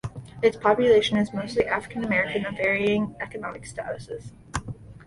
Its population is mostly African American, of varying economic statuses.